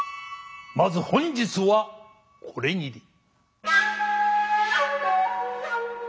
まず本日はこれぎり。